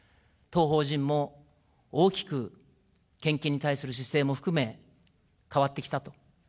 当法人も大きく献金に対する姿勢も含め変わってきたと。